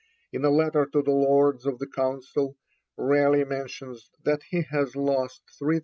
In a letter to the Lords of the Council, Raleigh mentions that he has lost 3,000_l.